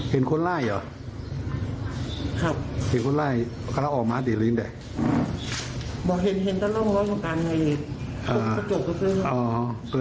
ผมก็เลยโทรแจ้งกับพ่อพุงภูมิฯกลับโดยดูแลอาศาล